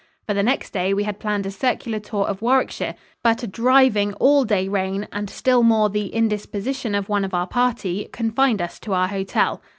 For the next day we had planned a circular tour of Warwickshire, but a driving, all day rain and, still more, the indisposition of one of our party, confined us to our hotel.